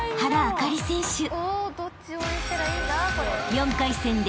［４回戦で］